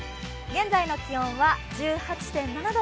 現在の気温は１８．７度。